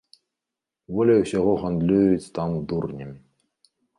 Болей усяго гандлююць там дурнямі.